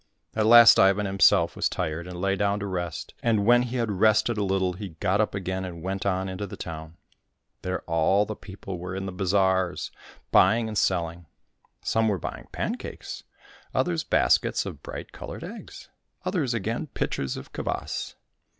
At last Ivan himself was tired, and lay down to rest, and when he had rested a little, he got up again and went on into the town. There all the people were in the bazaars, buying and selling. Some were buying pancakes, others baskets of bright coloured eggs, others again pitchers of kvas.